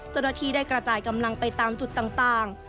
เจ้าหน้าที่ได้กระจายกำลังไปตามจุดต่าง